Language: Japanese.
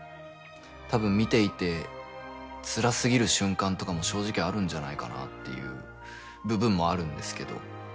たぶん見ていてつらすぎる瞬間とかも正直あるんじゃないかなっていう部分もあるんですけど。